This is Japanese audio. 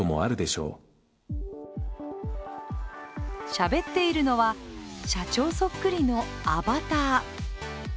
しゃべっているのは社長そっくりのアバター。